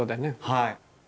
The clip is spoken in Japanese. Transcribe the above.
はい。